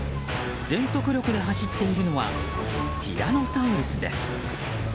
全速力で走っているのはティラノサウルスです。